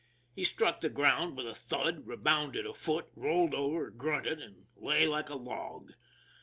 He struck the ground with a thud, rebounded a foot, rolled over, grunted, and lay like a log.